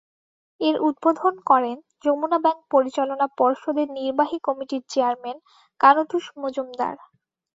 এর উদ্বোধন করেন যমুনা ব্যাংক পরিচালনা পর্ষদের নির্বাহী কমিটির চেয়ারম্যান কানুতোষ মজুমদার।